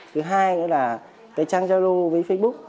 thứ hai nữa là cái trang giao lô với facebook